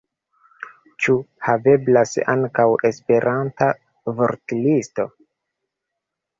Ĉu haveblas ankaŭ Esperanta vortlisto?